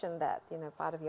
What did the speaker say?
ibu bapa saya menerima saya